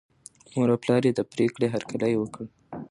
مور او پلار یې د پرېکړې هرکلی وکړ.